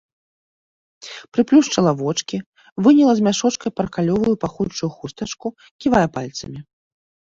Прыплюшчыла вочкі, выняла з мяшочка паркалёвую пахучую хустачку, ківае пальцамі.